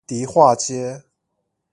迪化街